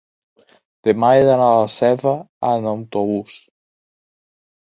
demà he d'anar a Seva amb autobús.